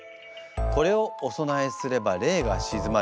これをお供えすれば霊が鎮まる。